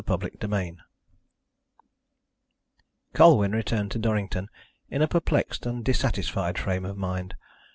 CHAPTER XVII Colwyn returned to Durrington in a perplexed and dissatisfied frame of mind.